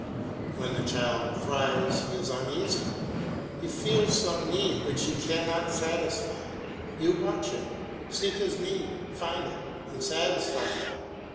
When the child cries he is uneasy, he feels some need which he cannot satisfy; you watch him, seek this need, find it, and satisfy it.